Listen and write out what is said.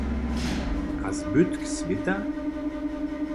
A zbytk swěta?